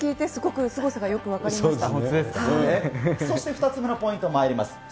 そして２つ目のポイントまいります。